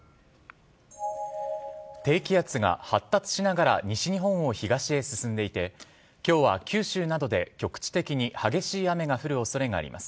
低気圧が発達しながら西日本を東へ進んでいて今日は九州などで局地的に激しい雨が降る恐れがあります。